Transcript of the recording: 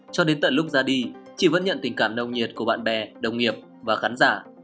cho đến tận lúc ra đi chị vẫn nhận tình cảm nồng nhiệt của bạn bè đồng nghiệp và khán giả